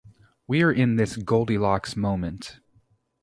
We’re in this Goldilocks moment.